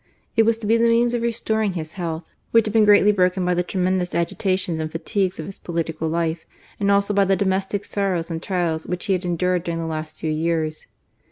It was to be the means of restoring his health, which had been greatly broken by the tremendous agitations and fatigues of his political life, and also by the domestic sorrows and trials which he had endured during the last few years.